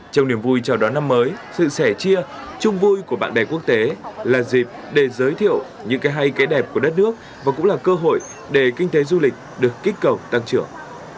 trong niềm vui chào đón năm mới sự sẻ chia chung vui của bạn bè quốc tế là dịp để giới thiệu những cái hay cái đẹp của đất nước và cũng là cơ hội để kinh tế du lịch được kích cầu tăng trưởng